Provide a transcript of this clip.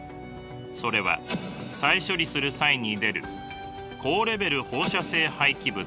それは再処理する際に出る高レベル放射性廃棄物。